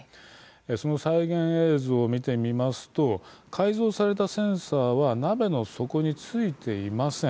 その再現映像を見てみますと改造されたセンサーは鍋の底に付いていません。